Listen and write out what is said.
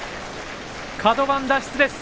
カド番、脱出です。